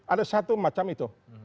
ada satu macam itu